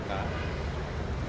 tapi sehingga sekarang